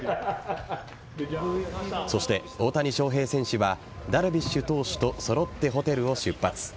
そして、大谷翔平選手はダルビッシュ投手と揃ってホテルを出発。